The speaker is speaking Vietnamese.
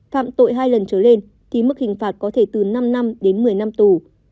phạm tội hai lần trở lên thì mức hình phạt có thể từ năm năm đến một mươi năm tù